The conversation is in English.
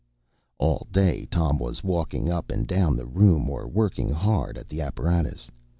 ” All day Tom was walking up and down the room, or working hard at the apparatus.